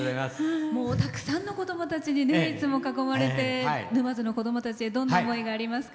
たくさんの子どもたちにいつも囲まれて沼津の子どもたちへどんな思いがありますか？